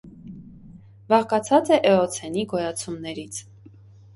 Բաղկացած է էոցենի գոյացումներից։